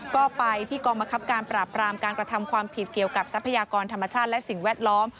ก็ไปที่กองบังคับการปราบรามการกระทำความผิดเกี่ยวกับทรัพยากรธรรมชาติและสิ่งแวดล้อม